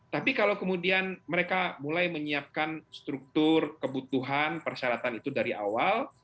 tapi kalau kemudian mereka mulai menyiapkan struktur kebutuhan persyaratan itu dari awal